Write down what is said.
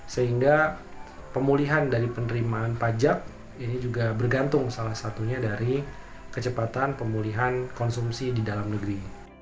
sehingga pemulihan dari penerimaan pajak ini juga bergantung salah satunya dari kecepatan pemulihan konsumsi di dalam negeri